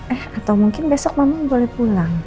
eh atau mungkin besok mama boleh pulang